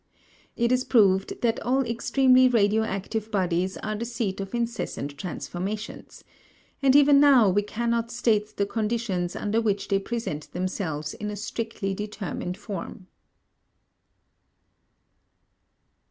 It is proved that all extremely radioactive bodies are the seat of incessant transformations, and even now we cannot state the conditions under which they present themselves in a strictly determined form.